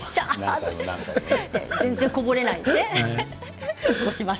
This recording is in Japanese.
全然こぼれないですね。